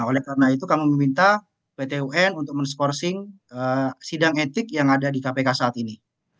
oleh karena itu kami meminta pt un untuk menskorsing sidang etik yang ada di kpk saat ini